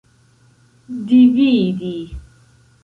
dividi